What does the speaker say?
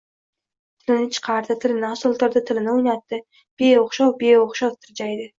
tilini chiqardi, tilini osiltirdi, tilini o‘ynatdi. Beo‘xshov-beo‘xshov tirjaydi...